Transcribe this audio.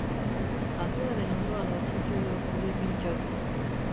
Atearen ondoan aurkitu dut gure Pintto.